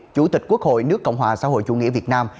chủ tịch quốc hội nước cộng hòa xã hội chủ nghĩa việt nam